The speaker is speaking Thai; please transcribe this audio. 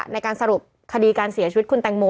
ในการสรุปคดีการเสียชีวิตคุณแตงโม